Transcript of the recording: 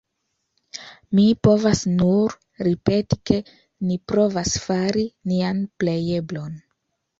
Mi povas nur ripeti, ke ni provas fari nian plejeblon.